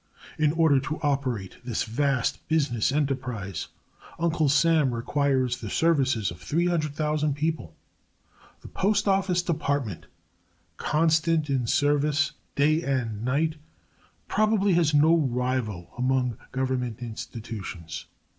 In order to operate this vast business enterprise Uncle Sam requires the services of 300,000 people. The Postoffice Department, constant in service, day and night, probably has no rival among Government institutions.